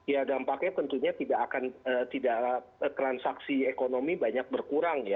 ya dampaknya tentunya tidak akan tidak transaksi ekonomi banyak berkurang ya